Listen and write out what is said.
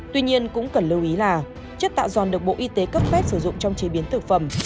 tuy nhiên cũng cần lưu ý là chất tạo giòn được bộ y tế cấp phép sử dụng trong chế biến thực phẩm